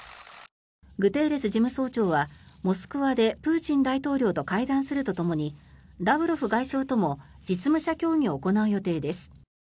グテーレス事務総長はモスクワでプーチン大統領と会談するとともにラブロフ外相とも実務者協議を行う予定です。